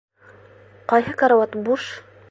Ҡайһы карауат буш?